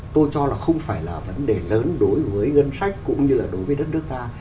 tôi cho là không phải là vấn đề lớn đối với ngân sách cũng như là đối với đất nước ta